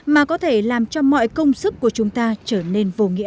mà có thể làm cho mọi công sức của chúng ta trở nên vô nghĩa